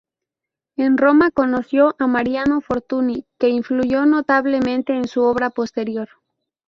En Roma conoció a Mariano Fortuny que influyó notablemente en su obra posterior.